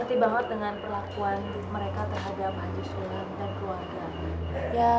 ngerti banget dengan perlakuan mereka terhadap haji sulam dan keluarga